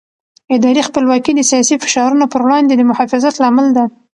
اداري خپلواکي د سیاسي فشارونو پر وړاندې د محافظت لامل ده